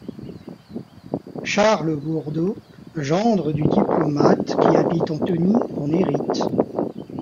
Charles Bourdeau, gendre du diplomate, qui habite Antony, en hérite.